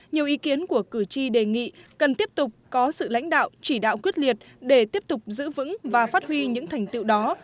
nhiều ý kiến của cử tri đề nghị cần tiếp tục có sự lãnh đạo chỉ đạo quyết liệt để tiếp tục giữ vững và phát huy những thành tiệu đó